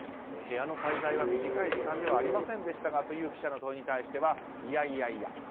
部屋の滞在は短い時間ではありませんでしたがという記者の問いに対してはいやいやいや